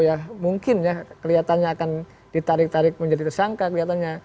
ya mungkin ya kelihatannya akan ditarik tarik menjadi tersangka kelihatannya